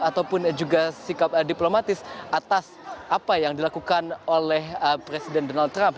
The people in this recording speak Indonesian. ataupun juga sikap diplomatis atas apa yang dilakukan oleh presiden donald trump